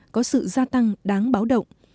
có sự gia tăng đáng báo động